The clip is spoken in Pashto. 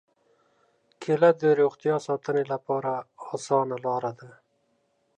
کېله د روغتیا ساتنې لپاره اسانه لاره ده.